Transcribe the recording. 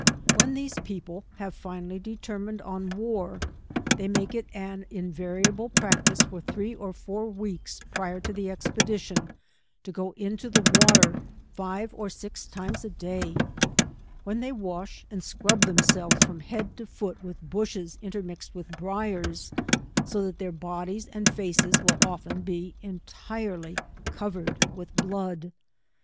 When these people, have finally determined on war, Ibey make it an invariable practice for three or four weeks prior to the expedition, to go into the water five or six times a day, when they wash and scrub themselves from head to foot with bushes in termixed with briars, go that their bodies and faces will often be entirely covered with blood.